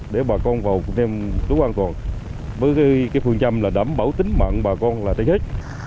để bà con vào thuyền đúng an toàn với cái phương châm là đảm bảo tính mạng bà con là trên hết